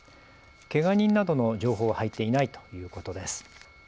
けが人などの情報は入っていないということです。